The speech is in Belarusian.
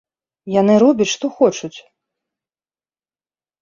Яны робяць што хочуць!